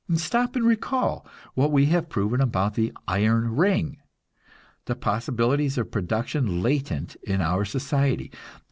Stop and recall what we have proven about the "iron ring"; the possibilities of production latent in our society.